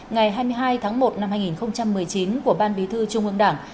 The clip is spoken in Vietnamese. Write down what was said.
ngày hai mươi hai tháng một năm hai nghìn một mươi chín của ban bí thư trung ương đảng